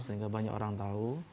sehingga banyak orang tahu